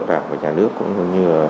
đảng và nhà nước cũng như